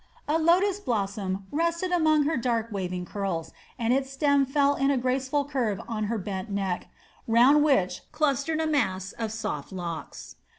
A lotus blossom rested among her dark waving curls, and its stem fell in a graceful curve on her bent neck, round which clustered a mass of soft locks.